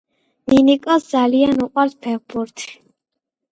ნინიკოს ძალიან უყვარს ფეხბურთი